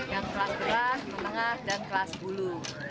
yang kelas berat yang kelas tengah dan kelas bulu